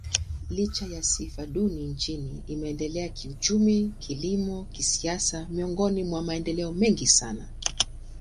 Licha ya sifa duni nchini, imeendelea kiuchumi, kilimo, kisiasa miongoni mwa maendeleo mengi sana.